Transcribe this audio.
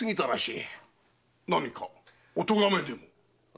何かお咎めでも？